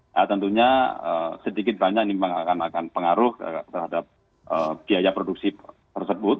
nah tentunya sedikit banyak ini akan pengaruh terhadap biaya produksi tersebut